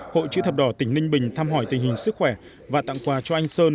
hội chữ thập đỏ tỉnh ninh bình thăm hỏi tình hình sức khỏe và tặng quà cho anh sơn